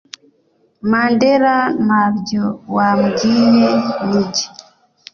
Mandela ntabyo wambwiye ninjye